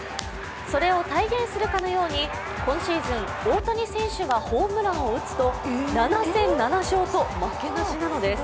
それを体現するかのように今シーズン、大谷選手がホームランを打つと７戦７勝と負けなしなのです。